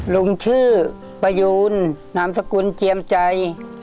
ลุงชื่อประยูนนามสกุลเจียมใจ